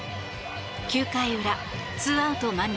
９回裏２アウト満塁